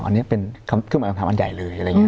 อันนี้เป็นเครื่องหมายคำถามอันใหญ่เลย